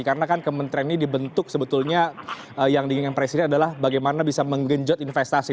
karena kan kementerian ini dibentuk sebetulnya yang diinginkan presiden adalah bagaimana bisa menggenjot investasi